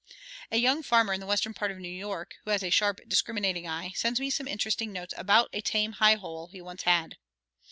A young farmer in the western part of New York, who has a sharp, discriminating eye, sends me some interesting notes about a tame high hole he once had.